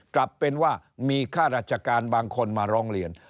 กลับเป็นว่ามีค่าราชการบางคนมาร้องเรียน